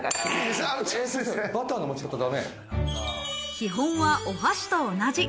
基本はお箸と同じ。